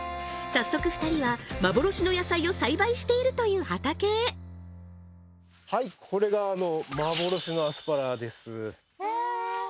早速２人は幻の野菜を栽培しているという畑へはいこれがへえ